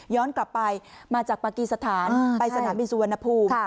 กลับไปมาจากปากีสถานไปสนามบินสุวรรณภูมิ